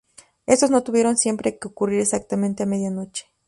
Estos no tuvieron siempre que ocurrir exactamente a medianoche.